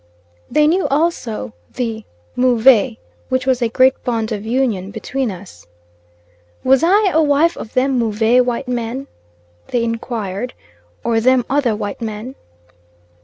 They knew also "the Move," which was a great bond of union between us. "Was I a wife of them Move white man," they inquired "or them other white man?"